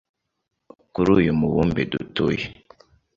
kuri uyu mubumbe dutuye